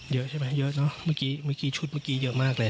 เยอะใช่มั้ยมีชุดเยอะมากเลย